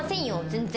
全然。